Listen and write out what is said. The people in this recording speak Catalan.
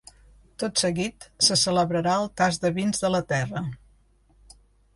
Tot seguit, se celebrarà el tast de vins de la terra.